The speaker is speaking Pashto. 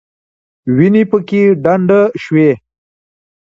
وینې پکې ډنډ شوې.